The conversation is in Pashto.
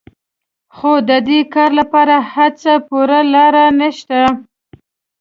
خو د دې کار لپاره هېڅ پوره لاره نهشته